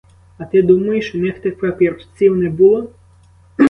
А ти думаєш, у них тих папірців не було?